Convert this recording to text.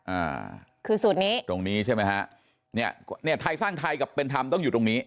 อ่าคือสูตรนี้ตรงนี้ใช่ไหมฮะเนี่ยไทยสร้างไทยกับเป็นธรรมต้องอยู่ตรงนี้